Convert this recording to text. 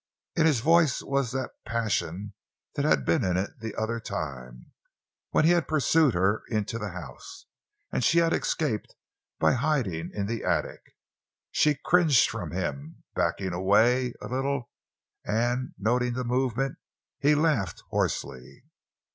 In his voice was that passion that had been in it that other time, when he had pursued her into the house, and she had escaped him by hiding in the attic. She cringed from him, backing away a little, and, noting the movement, he laughed hoarsely.